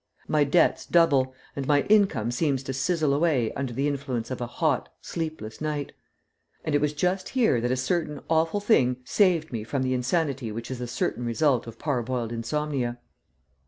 My debts double, and my income seems to sizzle away under the influence of a hot, sleepless night; and it was just here that a certain awful thing saved me from the insanity which is a certain result of parboiled insomnia.